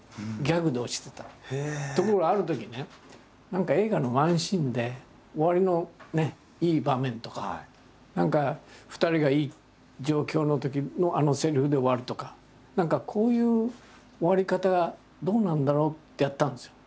何か映画のワンシーンで終わりのいい場面とか何か２人がいい状況のときのあのせりふで終わるとか何かこういう終わり方どうなんだろうってやったんですよ。